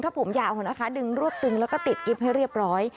ถ้าผมยาวนะคะดึงรวบตึงแล้วก็ติดกิ๊บให้เรียบร้อย